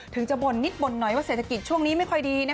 ถึงจะบ่นนิดบ่นหน่อยว่าเศรษฐกิจช่วงนี้ไม่ค่อยดี